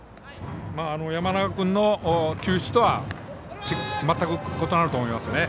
山中君の球種とは全く異なると思います。